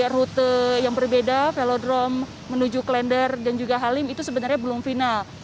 rute yang berbeda velodrome menuju klender dan juga halim itu sebenarnya belum final